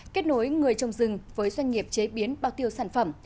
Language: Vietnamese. kết nối người trồng rừng với doanh nghiệp chế biến bao tiêu sản phẩm